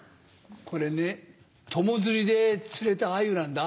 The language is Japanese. これね友釣りで釣れた鮎なんだ。